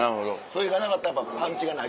それがなかったらパンチがない？